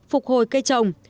phân phục hồi cây trồng